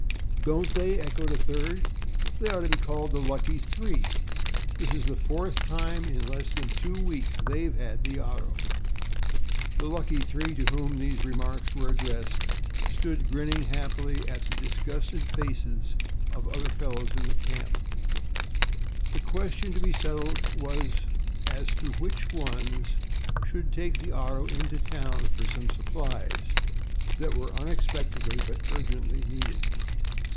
"Don't they?" echoed a third. "They ought to be called the lucky three. This is the fourth time in less than two weeks that they've had the auto." The "lucky three," to whom these remarks were addressed, stood grinning happily at the disgusted faces of the other fellows in camp. The question to be settled was as to what ones should take the auto into town for some supplies that were unexpectedly but urgently needed.